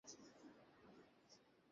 ফোনটা দুরে রাখতে পারো, প্লিজ?